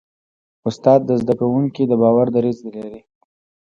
استاد د زده کوونکي د باور دریځ لري.